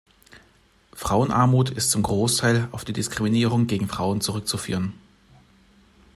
Frauenarmut ist zum Großteil auf die Diskriminierung gegen Frauen zurückzuführen.